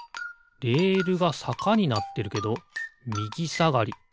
レールがさかになってるけどみぎさがり。